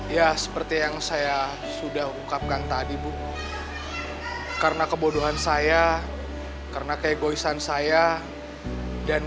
ya seperti yang saya sudah ungkapkan tadi bu karena kebodohan saya karena keegoisan saya dan